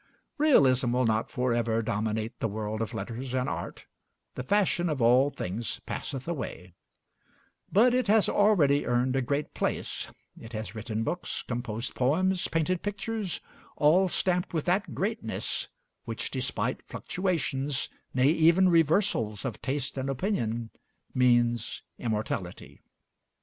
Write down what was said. Realism will not for ever dominate the world of letters and art the fashion of all things passeth away but it has already earned a great place: it has written books, composed poems, painted pictures, all stamped with that "greatness" which, despite fluctuations, nay, even reversals of taste and opinion, means immortality.